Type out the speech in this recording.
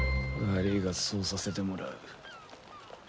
悪いがそうさせてもらう。